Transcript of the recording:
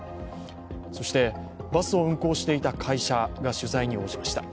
そしてバスを運行していた会社が取材に応じました。